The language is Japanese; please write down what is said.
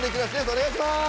お願いします！